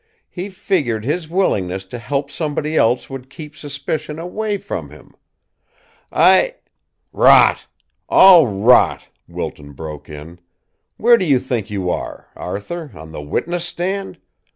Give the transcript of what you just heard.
He figured his willingness to help somebody else would keep suspicion away from him. I " "Rot! All rot!" Wilton broke in. "Where do you think you are, Arthur, on the witness stand?